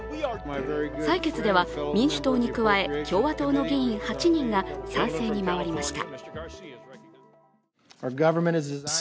採決では、民主党に加え、共和党の議員８人が賛成に回りました。